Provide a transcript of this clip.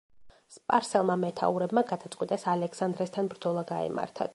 სპარსელმა მეთაურებმა გადაწყვიტეს ალექსანდრესთან ბრძოლა გაემართათ.